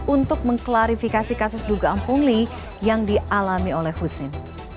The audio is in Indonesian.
untuk mengklarifikasi kasus dugaan pungli yang dialami oleh husin